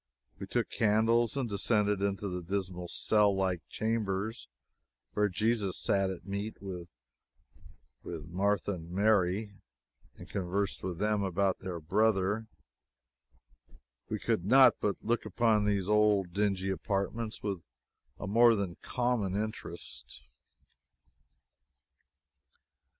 We took candles and descended to the dismal cell like chambers where Jesus sat at meat with Martha and Mary, and conversed with them about their brother. We could not but look upon these old dingy apartments with a more than common interest.